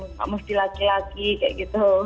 nggak mesti laki laki kayak gitu